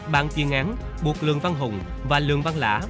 bàn chuyên án buộc lương văn hùng và lương văn lã